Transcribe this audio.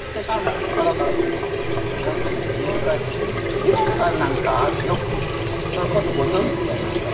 フジモンさんなんかよくそういうことご存じじゃないかしら？